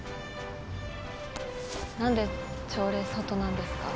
なんで朝礼外なんですか？